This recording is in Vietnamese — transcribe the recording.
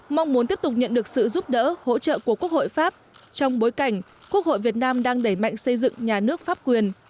mong muốn tiếp tục nhận được sự giúp đỡ hỗ trợ của quốc hội pháp trong bối cảnh quốc hội việt nam đang đẩy mạnh xây dựng nhà nước pháp quyền